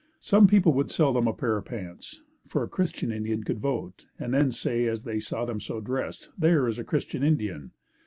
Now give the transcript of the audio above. Some people would sell them a pair of pants, for a Christian Indian could vote and then say as they saw them so dressed, "There is a Christian Indian."